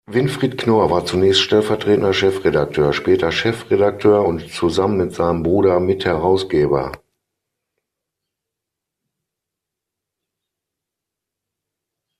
Winfried Knorr war zunächst stellvertretender Chefredakteur, später Chefredakteur und zusammen mit seinem Bruder Mitherausgeber.